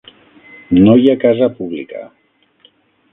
No hi ha casa pública.